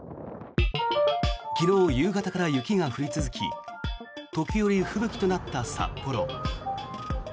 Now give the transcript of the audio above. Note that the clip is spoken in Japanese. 昨日、夕方から雪が降り続き時折、吹雪となった札幌。